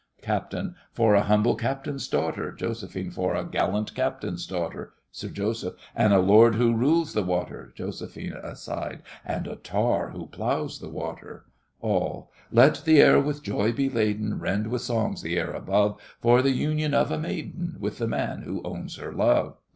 CAPT. For a humble captain's daughter— JOS. For a gallant captain's daughter— SIR JOSEPH. And a lord who rules the water— JOS. (aside). And a tar who ploughs the water! ALL. Let the air with joy be laden, Rend with songs the air above, For the union of a maiden With the man who owns her love!